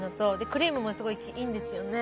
クリームもすごいいいんですよね。